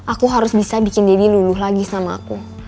aku harus bisa bikin diri luluh lagi sama aku